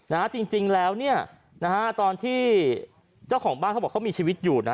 นะฮะจริงจริงแล้วเนี่ยนะฮะตอนที่เจ้าของบ้านเขาบอกเขามีชีวิตอยู่นะ